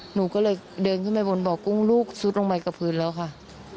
หนูก็เลยเดินขึ้นไปบนบ่อกุ้งลูกซุดลงไปกับพื้นแล้วค่ะ